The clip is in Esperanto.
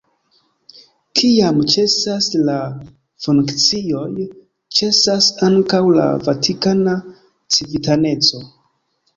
Kiam ĉesas la funkcioj, ĉesas ankaŭ la vatikana civitaneco.